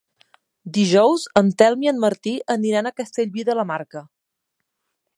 Dijous en Telm i en Martí aniran a Castellví de la Marca.